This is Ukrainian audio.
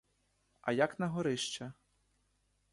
А як на горище?